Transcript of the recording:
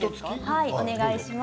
お願いします。